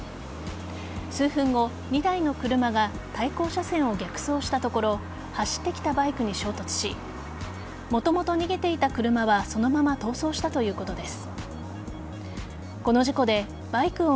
数分後、２台の車が対向車線を逆走したところ走ってきたバイクに衝突しもともと逃げていた車はそのまま逃走したということです。